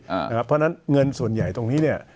เพราะฉะนั้นเงินส่วนใหญ่ตรงนี้เนี่ย